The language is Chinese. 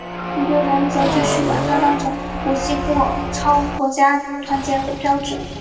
很多人则继续把它当成国际或超国家团结的标志。